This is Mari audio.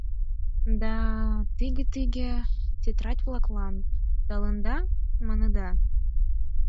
Да... тыге-тыге, тетрадь-влаклан толында, маныда?